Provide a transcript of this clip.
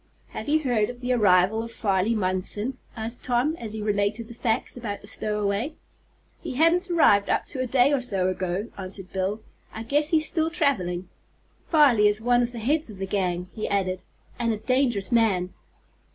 "Have you heard of the arrival of Farley Munson?" asked Tom, as he related the facts about the stowaway. "He hadn't arrived up to a day or so ago," answered Bill. "I guess he's still traveling. Farley is one of the heads of the gang," he added, "and a dangerous man."